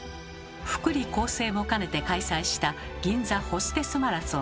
福利厚生も兼ねて開催した「銀座ホステスマラソン」。